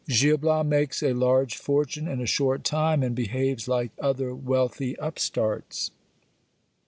— Gil Bias makes a large fortune in a slwrt time, and behaves like other ■zuealthy upstarts.